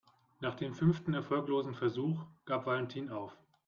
Nach dem fünften erfolglosen Versuch gab Valentin auf.